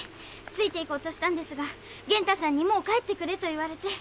ついていこうとしたんですが源太さんにもう帰ってくれと言われて。